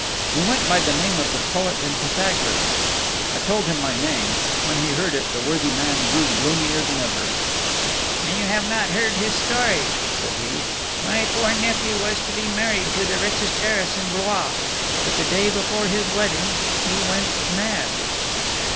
We went by the name of the Poet and Pythagoras." I told him my name; when he heard it, the worthy man grew gloomier than ever. "Then you have not heard his story?" said he. "My poor nephew was to be married to the richest heiress in Blois; but the day before his wedding he went mad."